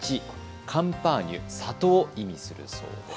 カンパーニュ、郷を意味するそうです。